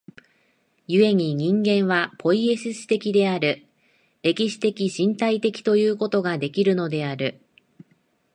故に人間はポイエシス的である、歴史的身体的ということができるのである。